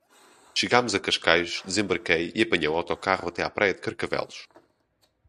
Chegámos a Cascais, desembarquei e apanhei um autocarro até à praia de Carcavelos.